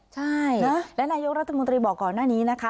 ใช่และนายกรัฐมนตรีบอกก่อนหน้านี้นะคะ